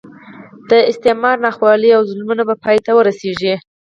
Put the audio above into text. د استعمار ناخوالې او ظلمونه به پای ته ورسېږي.